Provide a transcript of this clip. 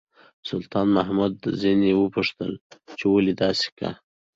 سلطان محمود ځنې وپوښتل چې ولې داسې کا.